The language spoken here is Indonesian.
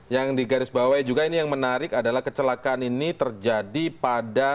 yang di garis bawah juga ini yang menarik adalah kecelakaan ini terjadi pada